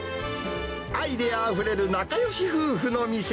アイデアあふれる仲よし夫婦の店。